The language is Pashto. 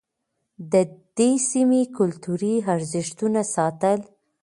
ده د سيمې کلتوري ارزښتونه ساتل.